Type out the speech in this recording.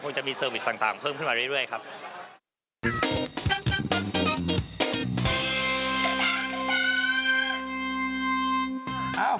จะมีเซอร์วิสต่างเพิ่มขึ้นมาเรื่อยครับ